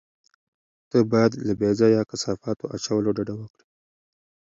ته باید له بې ځایه کثافاتو اچولو ډډه وکړې.